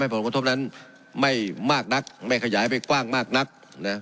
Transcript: ทำให้ผลงธมนั้นไม่มากนักไม่ขยายไปกว้างมากนักนะ